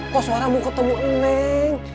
kok suara bu ketemu neng